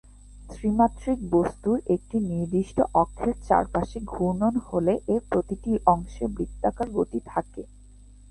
ত্রি-মাত্রিক বস্তুর একটি নির্দিষ্ট অক্ষের চারপাশে ঘূর্ণন হলে এর প্রতিটি অংশের বৃত্তাকার গতি থাকে।